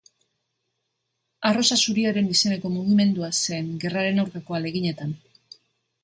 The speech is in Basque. Arrosa zuria izeneko mugimendua zen, gerraren aurkako ahaleginetan.